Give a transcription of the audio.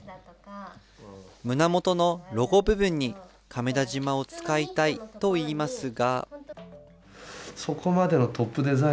胸元のロゴ部分に亀田縞を使いたいといいますが。